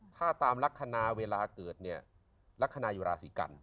ถ้าตามลักษณะเวลาเกิดเนี่ยลักษณะอยู่ราศีกัน